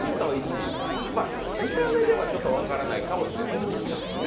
見た目では分からないかもしれないですね。